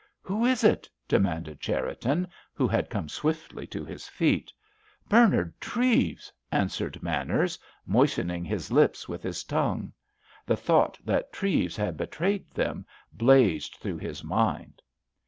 "Who is it?" demanded Cherriton, who had come swiftly to his feet. "Bernard Treves!" answered Manners, moistening his lips with his tongue. The thought that Treves had betrayed them blazed through his mind.